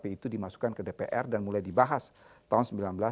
pp itu dimasukkan ke dpr dan mulai dibahas tahun seribu sembilan ratus sembilan puluh